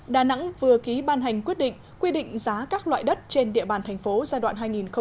đà nẵng vừa ký ban hành quyết định quy định giá các loại đất trên địa bàn thành phố giai đoạn hai nghìn một mươi sáu hai nghìn hai mươi